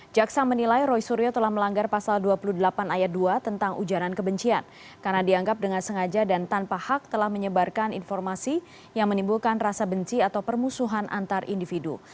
jaksa menilai roy suryo telah melanggar pasal dua puluh delapan ayat dua tentang ujaran kebencian karena dianggap dengan sengaja dan tanpa hak telah menyebarkan informasi yang menimbulkan rasa benci atau permusuhan antar individu